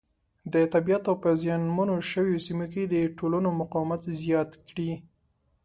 د طبیعیت او په زیان منو شویو سیمو کې د ټولنو مقاومت زیات کړي.